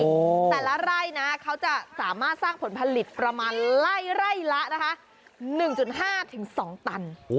แต่ละไร่นะเขาจะสามารถสร้างผลผลิตประมาณไร่ไร่ละนะคะ๑๕๒ตัน